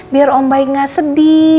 biar om baik gak sedih